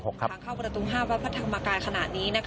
ทางเข้าประตู๕วัดพระธรรมกายขณะนี้